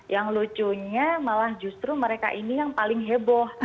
yang lucunya malah justru mereka ini yang paling heboh